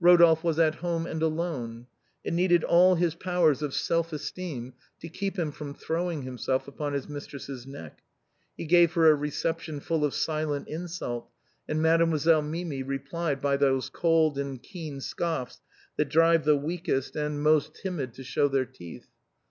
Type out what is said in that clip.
Rodolphe was at home and alone. It needed all his powers of self esteem to keep him from throwing himself upon his mistress's neck. He gave her a reception full of silent insult, and Mademoiselle Mimi re plied by those cold and keen scoffs that drive the weakest and most timid to show their teeth.